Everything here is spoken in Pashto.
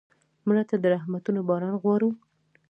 مړه ته د رحمتونو باران غواړو